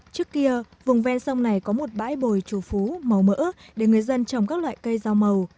trước kia vùng ven sông này có một bãi bồi trù phú màu mỡ để người dân trồng các loại cây rau màu